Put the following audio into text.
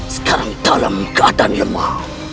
sekarang dalam keadaan lemah